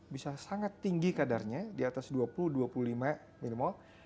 bisa sangat tinggi kadarnya di atas dua puluh dua puluh lima minimal